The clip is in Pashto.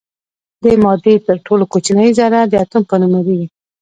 د مادې تر ټولو کوچنۍ ذره د اتوم په نوم یادیږي.